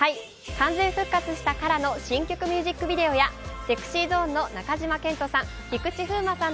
完全復活したＫＡＲＡの新曲ミュージックビデオやＳｅｘｙＺｏｎｅの中島健人さん